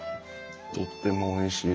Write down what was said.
とってもおいしいです。